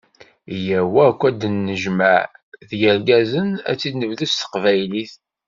Yyaw akk ad d-nennejmeɛ, d yirgazen ad t-id-nebdu s teqbaylit.